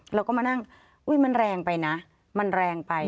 เราก็มานั่งอุ๊ยมันแรงไปนะมันแรงไป